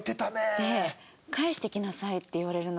で「返してきなさい」って言われるのがもう。